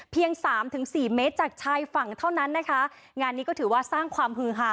สามถึงสี่เมตรจากชายฝั่งเท่านั้นนะคะงานนี้ก็ถือว่าสร้างความฮือฮา